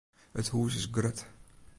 It hûs is grut.